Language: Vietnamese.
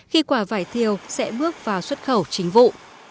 khi quả vải thiều sẽ bước vào xuất khẩu chính vụ